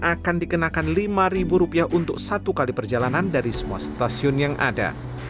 akan dikenakan lima ribu rupiah untuk satu kali perjalanan dari semua stasiun yang ada